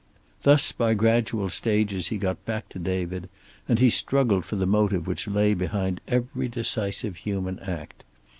Thus by gradual stages he got back to David, and he struggled for the motive which lay behind every decisive human act.